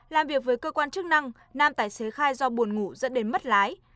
làm việc với cơ quan chức năng nam tài xế khai do buồn ngủ dẫn đến mất lái